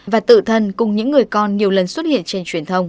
và tự thân cùng những người con nhiều lần xuất hiện trên truyền thông